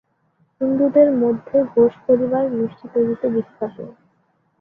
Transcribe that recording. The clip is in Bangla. হিন্দুদের মধ্যে ঘোষ পরিবার মিষ্টি তৈরিতে বিখ্যাত।